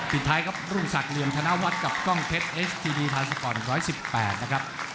ปิดท้ายครับรุ่นศักดิ์เรียนธนาวัฒน์กับกล้องเพชรเอสทีดีภาษาฟอร์ด๑๑๘นะครับ